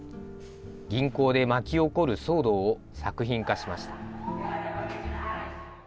銀行で巻き起こる騒動を作品化しました。